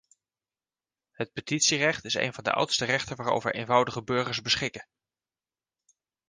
Het petitierecht is een van de oudste rechten waarover eenvoudige burgers beschikken.